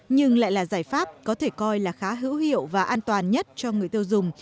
nhưng lại là giải pháp có thể coi là khá hữu hiệu và an toàn nhất cho người tiêu dùng